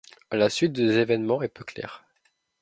La suite des événements est peu claire.